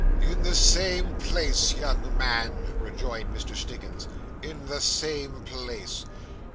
'In the same place, young man,' rejoined Mr. Stiggins, 'in the same place.